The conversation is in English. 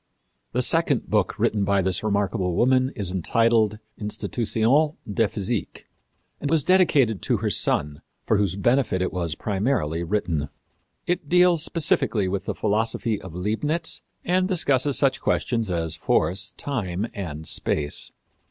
The second book written by this remarkable woman is entitled Institutions de Physique, and was dedicated to her son, for whose benefit it was primarily written. It deals specially with the philosophy of Leibnitz and discusses such questions as force, time and space.